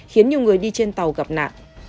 khiến nhiều người đi trên tàu gặp nạn